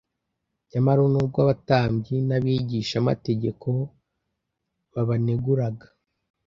Nyamara nubwo abatambyi n'abigishamategeko babaneguraga,